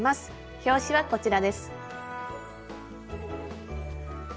表紙はこちらです。